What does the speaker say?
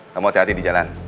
kamu hati hati di jalan